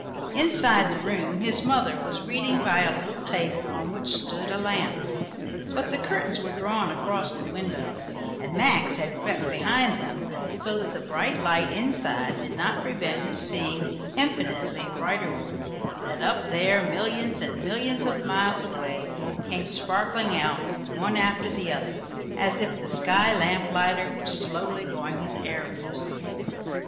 Inside the room his mother was reading by a little table on which stood a lamp, but the curtains were drawn across the windows, and Max had crept behind them, so that the bright light inside did not prevent his seeing the infinitely brighter ones, that up there, millions and millions of miles away, came sparkling out one after the other, as if the sky lamp lighter were slowly going his errands.